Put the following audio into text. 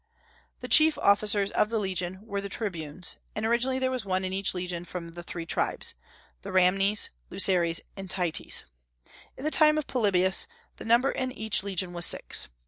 The chief officers of the legion were the Tribunes; and originally there was one in each legion from the three tribes, the Ramnes, Luceres, and Tities. In the time of Polybius the number in each legion was six.